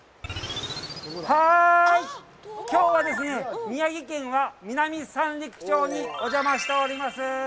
きょうはですね、宮城県は南三陸町にお邪魔しております。